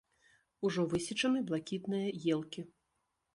Ужо высечаны блакітныя елкі.